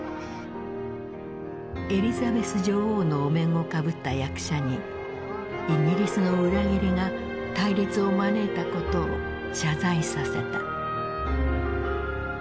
エリザベス女王のお面をかぶった役者にイギリスの裏切りが対立を招いたことを謝罪させた。